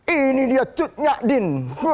ini dia cut nyak din